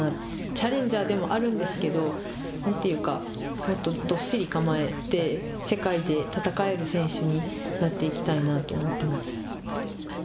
チャレンジャーでもあるんですけど何というかもっとどっしり構えて世界で戦える選手になっていきたいなと思っています。